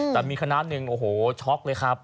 แต่มีคณะหนึ่งโอ้โหช็อกเลยครับ